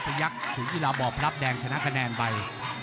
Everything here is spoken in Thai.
ปลายยกศูนยีราบอบพรับแดงชนะคะแนนไป